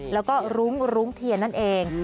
แล้วก็รุ้งรุ้งเทียนนั่นเอง